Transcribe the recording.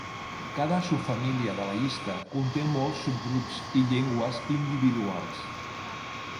Cada subfamília de la llista conté molts subgrups i llengües individuals.